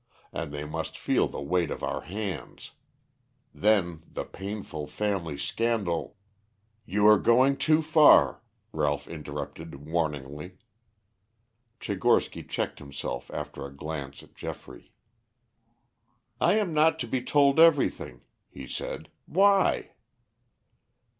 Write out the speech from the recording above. And they must feel the weight of our hands. Then the painful family scandal " "You are going too far," Ralph interrupted warningly. Tchigorsky checked himself after a glance at Geoffrey. "I am not to be told everything," he said. "Why?"